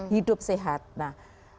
hidup sehat nah